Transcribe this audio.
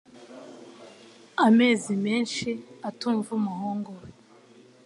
amezi menshi atumva umuhungu we